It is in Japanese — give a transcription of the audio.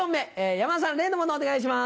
山田さん例のものをお願いします。